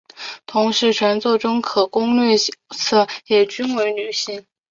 同时全作中的可攻略角色也均为女性。